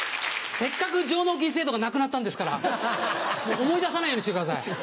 せっかく上納金制度がなくなったんですから思い出さないようにしてください。